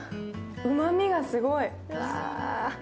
うまみがすごい。